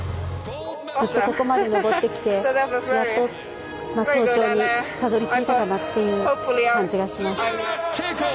ずっとここまで上ってきてやっと登頂にたどり着いたなという感じがします。